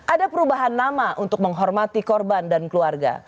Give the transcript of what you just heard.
ada perubahan nama untuk menghormati korban dan keluarga